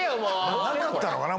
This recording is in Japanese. もうなかったのかな？